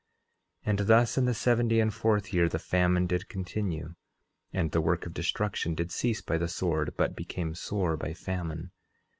And thus in the seventy and fourth year the famine did continue, and the work of destruction did cease by the sword but became sore by famine.